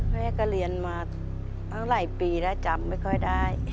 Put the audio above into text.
แม่ก็เรียนมาตั้งหลายปีแล้วจำไม่ค่อยได้